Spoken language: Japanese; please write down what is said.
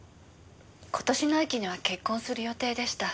今年の秋には結婚する予定でした。